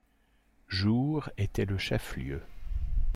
Joure était le chef-lieu.